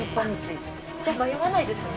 じゃ迷わないですね。